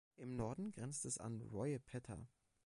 Im Norden grenzt es an Royapettah.